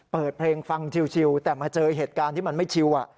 เปิดเพลงฟังชิวแต่มาเจอเหตุการณ์ที่มันไม่ชิว